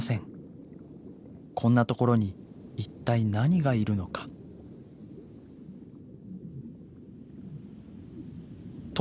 こんなところに一体何がいるのか。と！